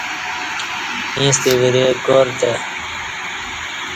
ییݩستہ ورئے کار تہ